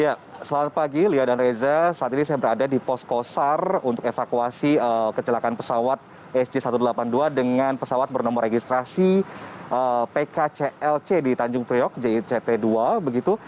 ya selamat pagi lia dan reza saat ini saya berada di pos kosar untuk evakuasi kecelakaan pesawat sj seribu delapan puluh dua dengan pesawat bernomor registrasi pk clc di tanjung priok jict dua